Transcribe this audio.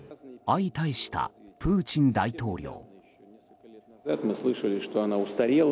相対したプーチン大統領。